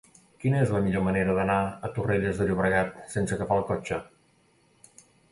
Quina és la millor manera d'anar a Torrelles de Llobregat sense agafar el cotxe?